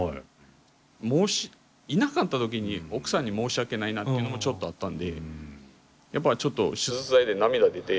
もしいなかった時に奥さんに申し訳ないなっていうのもちょっとあったんでやっぱりちょっと手術台で涙出て。